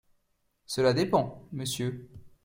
Cela dépend, monsieur.